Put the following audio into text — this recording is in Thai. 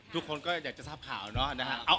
ทุกคนก็อยากจะทราบข่าวเนาะนะครับ